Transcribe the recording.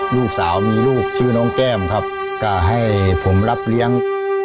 ลูกสาวมีลูกชื่อน้องแก้มครับก็ให้ผมรับเลี้ยง